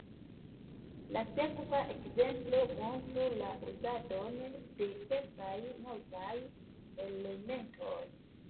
La sekva ekzemplo montru la uzadon de kelkaj novaj elementoj.